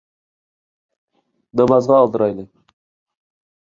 نامازغا ئالدىرايلى